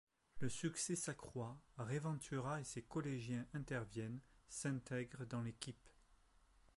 Le succès s’accroît, Ray Ventura et ses collégiens interviennent, s’intègrent dans l’équipe.